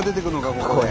ここで。